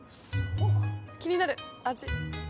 気になる味。